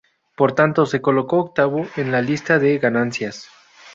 Por tanto, se colocó octavo en la lista de ganancias.